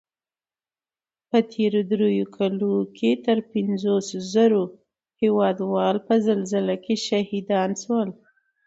په تېرو دریو کلو کې تر پنځو زرو هېوادوال په زلزله کې شهیدان شول